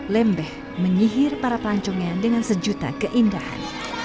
lembeh menyihir para pelancongnya dengan sejuta keindahan